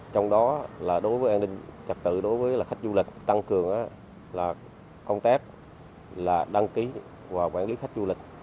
trong đó là đối với an ninh trật tự đối với khách du lịch tăng cường là công tác là đăng ký và quản lý khách du lịch